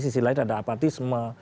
sisi lain ada apatisme